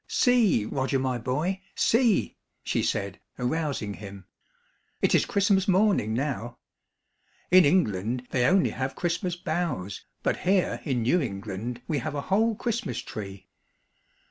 "See! Roger, my boy, see!" she said, arousing him. "It is Christmas morning now! In England they only have Christmas boughs, but here in New England we have a whole Christmas tree."